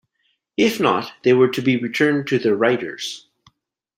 If not, they were to be returned to their writers.